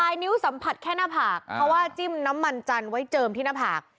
นิ้วสัมผัสแค่หน้าผากเพราะว่าจิ้มน้ำมันจันทร์ไว้เจิมที่หน้าผาก